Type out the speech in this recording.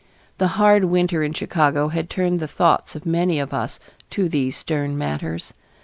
The hard winter in Chicago had turned the thoughts of many of us to these stern matters.